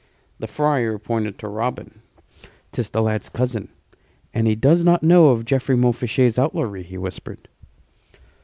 The friar pointed to Robin. "'Tis the lad's cousin, and he does not know of Geoffrey Montfichet's outlawry," he whispered.